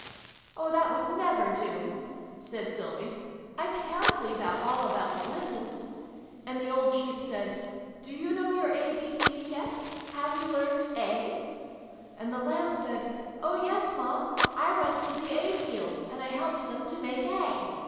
" Oh, that would never do !" said Sylvie. " I ca'n't leave out all about the lessons ! And the old Sheep said ' Do you know your ABC yet ? Have you learnt A ?' And the Lamb said ' Oh yes, Ma ! I went to the A field, and I helped them to make A